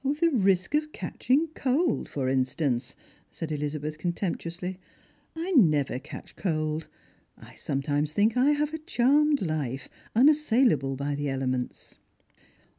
"The risk of catching cold, for instance," said Elizabeth contemptuously. " I never catch cold. I sometimes think I have a charmed life, unassailable by the elements."